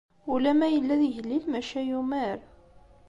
Ula ma yella d igellil, maca yumer.